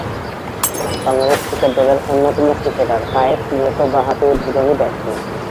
Bangladesh cricket দলের অন্যতম cricketer Kayes মূলতঃ বাঁহাতি উদ্বোধনী ব্যাটসম্যান।